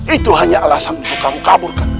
itu hanya alasan untuk kamu kabur